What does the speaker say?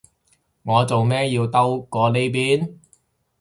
我做咩要兜過呢邊？